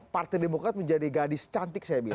partai demokrat menjadi gadis cantik saya bilang